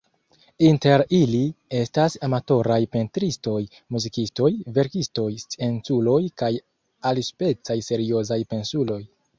Inter ili estas amatoraj pentristoj, muzikistoj, verkistoj, scienculoj kaj alispecaj seriozaj pensuloj.